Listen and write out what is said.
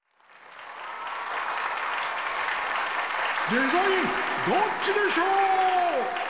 「デザインどっちでショー」！